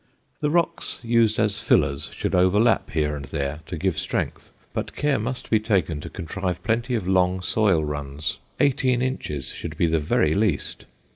The rocks used as fillers should overlap here and there to give strength, but care must be taken to contrive plenty of long soil runs. Eighteen inches should be the very least.